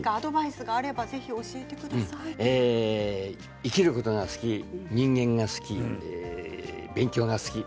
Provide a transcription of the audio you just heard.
生きることが好き人間が好き、勉強が好き。